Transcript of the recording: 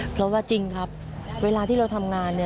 เพราะว่าจริงครับเวลาที่เราทำงาน